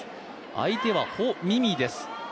相手は、ホ・ミミです。